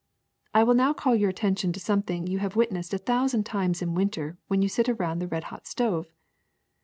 I will now call your attention to something you have witnessed a thousand times in winter when you sit around the red hot stove.